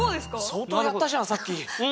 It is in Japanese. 相当やったじゃんさっき。